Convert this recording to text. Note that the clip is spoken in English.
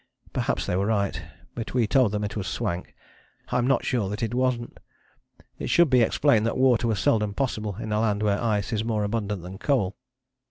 Perhaps they were right, but we told them it was swank. I'm not sure that it wasn't! It should be explained that water was seldom possible in a land where ice is more abundant than coal.